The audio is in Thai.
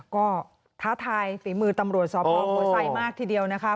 ก็ท้าทายฝีมือตำรวจสพหัวไซมากทีเดียวนะคะ